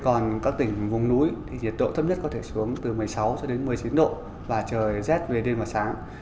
còn các tỉnh vùng núi thì nhiệt độ thấp nhất có thể xuống từ một mươi sáu một mươi chín độ và trời rét về đêm và sáng